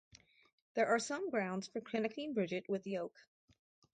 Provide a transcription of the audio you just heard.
There are some grounds for connecting Bridget with the oak.